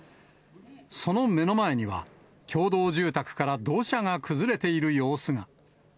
その目の前には、共同住宅から土砂が崩れている様子が。